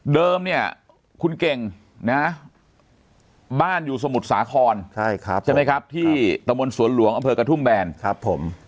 เนี่ยคุณเก่งนะบ้านอยู่สมุทรสาครใช่ไหมครับที่ตะมนต์สวนหลวงอำเภอกระทุ่มแบนครับผม